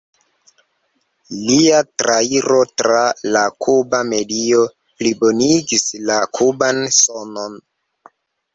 Lia trairo tra la kuba medio plibonigis la kuban sonon.